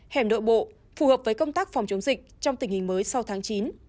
hẻm nội bộ phù hợp với công tác phòng chống dịch trong tình hình mới sau tháng chín